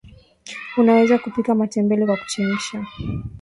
unaweza kupika matembele kwa kuchemsha